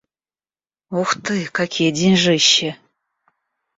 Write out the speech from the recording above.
Ух ты, какие деньжищи!